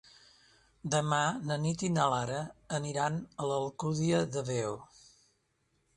Demà na Nit i na Lara aniran a l'Alcúdia de Veo.